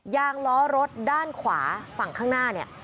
ยางล้อรถด้านขวาฝั่งข้างหน้าเนี่ย